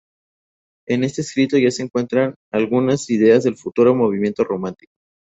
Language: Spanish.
En este escrito ya se encuentran algunas ideas del futuro movimiento romántico.